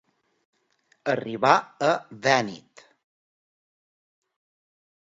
Arribar a vènit.